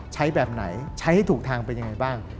แบบไหนใช้ให้ถูกทางเป็นยังไงบ้าง